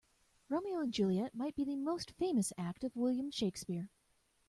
Romeo and Juliet might be the most famous act of William Shakespeare.